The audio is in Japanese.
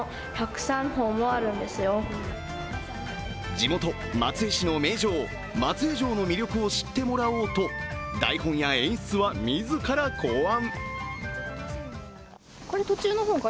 地元・松江市の名城、松江城の魅力を知ってもらおうと台本や演出は自ら考案。